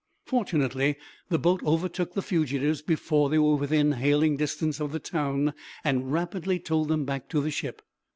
Fortunately the boat overtook the fugitives before they were within hailing distance of the town, and rapidly towed them back to the ship.